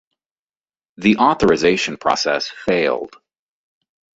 The authorisation process failed.